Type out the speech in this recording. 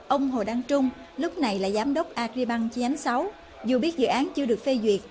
ông hồ đăng trung lúc này là giám đốc agribank chi nhánh sáu dù biết dự án chưa được phê duyệt